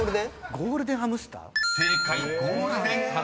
「ゴールデンハムスター」？